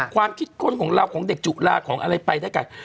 ความคิดค้นของเราของเด็กจุลาของอะไรไปด้วยกัน